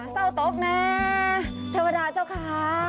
เศร้าตกแน่เทวดาเจ้าค้า